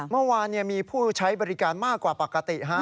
เมื่อวานมีผู้ใช้บริการมากกว่าปกติฮะ